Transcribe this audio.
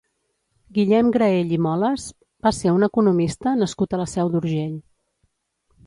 Guillem Graell i Moles va ser un economista nascut a la Seu d'Urgell.